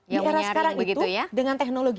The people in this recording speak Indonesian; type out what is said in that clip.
yang menyaring begitu ya